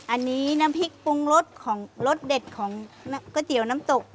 อันนี้น้ำพริกปรุงรสของรสเด็ดของก๋วยเตี๋ยวน้ำตก